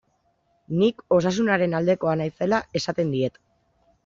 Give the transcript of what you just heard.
Nik Osasunaren aldekoa naizela esaten diet.